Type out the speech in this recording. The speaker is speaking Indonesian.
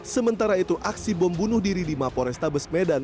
sementara itu aksi bom bunuh diri di mapo restabes medan